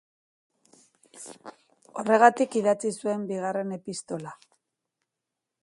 Horregatik idatzi zuen bigarren epistola.